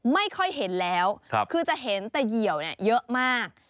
ไม่ค่อยเห็นแล้วคือจะเห็นแต่เหยี่ยวเยอะมาก